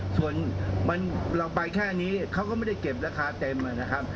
ส่วนเราไปแค่นี้เขาก็ไม่ได้เก็บราคาเต็มนะครับ